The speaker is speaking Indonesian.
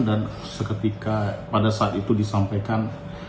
dan seketika pada saat itu disampaikan